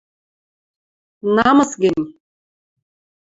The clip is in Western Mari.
Намыс гӹнь!